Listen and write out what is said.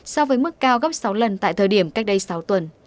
so với mức cao gấp sáu lần tại thời điểm cách đây sáu tuần